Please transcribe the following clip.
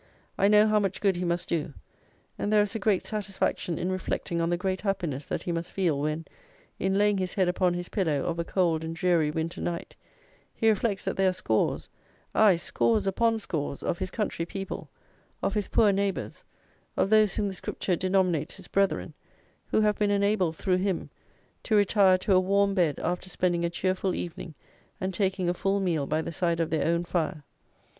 I know how much good he must do; and there is a great satisfaction in reflecting on the great happiness that he must feel, when, in laying his head upon his pillow of a cold and dreary winter night, he reflects that there are scores, aye, scores upon scores, of his country people, of his poor neighbours, of those whom the Scripture denominates his brethren, who have been enabled, through him, to retire to a warm bed after spending a cheerful evening and taking a full meal by the side of their own fire.